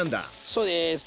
そうです。